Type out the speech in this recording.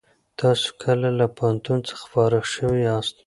تاسو کله له پوهنتون څخه فارغ شوي یاست؟